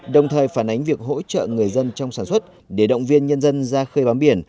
đồng thời phản ánh việc hỗ trợ người dân trong sản xuất để động viên nhân dân ra khơi bám biển